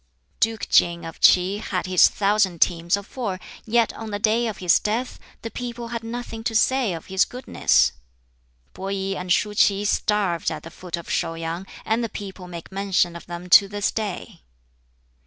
"Duke King of Ts'i had his thousand teams of four, yet on the day of his death the people had nothing to say of his goodness. Peh I and Shuh Ts'i starved at the foot of Shau yang, and the people make mention of them to this day.